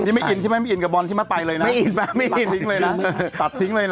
นี่ไม่อินใช่ไหมมันไม่อินกับบอลที่มาไปเลยนะน่ะตัดทิ้งเลยนะ